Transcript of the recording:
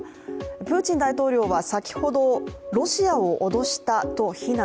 プーチン大統領は先ほどロシアを脅したと非難。